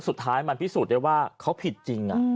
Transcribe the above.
สุดท้ายมันพิสูจน์ได้ว่าเขาผิดจริง